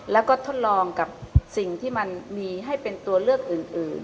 แล้วก็ทดลองกับสิ่งที่มันมีให้เป็นตัวเลือกอื่น